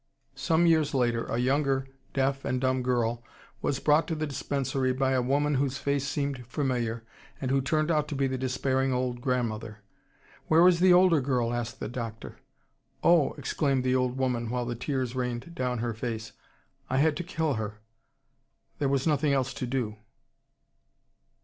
Some years later a younger deaf and dumb girl was brought to the dispensary by a woman whose face seemed familiar and who turned out to be the despairing old grandmother. "Where is the older girl?" asked the doctor. "Oh," exclaimed the old woman, while the tears rained down her face, "I had to kill her. There was nothing else to do!"